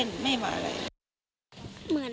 เด็กคนนี้ไม่มาเล่นไม่มาอะไร